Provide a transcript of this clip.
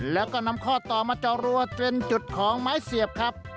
แล้วก็นำข้อต่อมาจอรัวเป็นจุดของไม้เสียบครับ